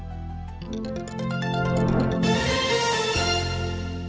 สวัสดีครับ